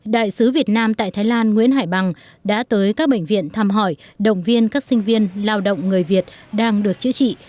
đại sứ việt nam tại thái lan nguyễn hải bằng đã tới các bệnh viện thăm hỏi động viên các sinh viên lao động người việt đang được chữa trị